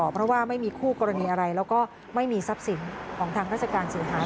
เพราะว่าไม่มีคู่กรณีอะไรแล้วก็ไม่มีทรัพย์สินของทางราชการเสียหาย